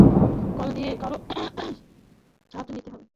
Call দিয়ে কারো সাহায্য নিতে হবে।